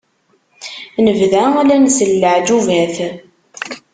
Nebda la nsel leԑğubat.